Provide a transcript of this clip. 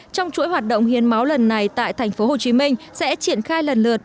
trong chuỗi hoạt động hiến máu lần này tại tp hcm sẽ triển khai lần lượt